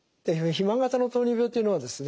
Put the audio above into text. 肥満型の糖尿病っていうのはですね